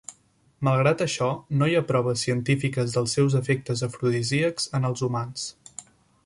Malgrat això, no hi ha proves científiques dels seus efectes afrodisíacs en els humans.